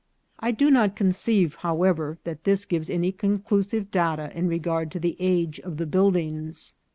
I do not conceive, however, that this gives any conclu sive data in regard to the age of the birlJiiigs.